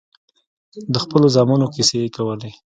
د خپلو زامنو کيسې يې کولې.